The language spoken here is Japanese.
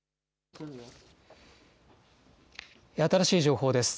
新しい情報です。